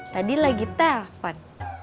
tadi lagi telpon